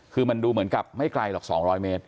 คือมันดูเหมือนกับไม่ไกลหรอก๒๐๐เมตร